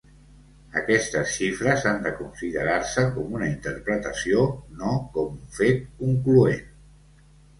Aquestes xifres han de considerar-se com una interpretació, no com un fet concloent.